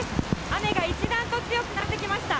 雨が一段と強くなってきました。